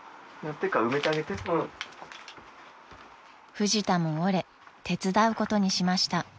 ［フジタも折れ手伝うことにしました］